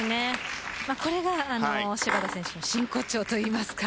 これが芝田選手の真骨頂といいますか。